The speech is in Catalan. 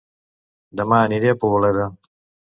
Dema aniré a Poboleda